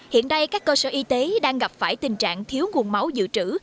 hiện đây các cơ sở y tế đang gặp phải tình trạng thiếu nguồn máu dự trữ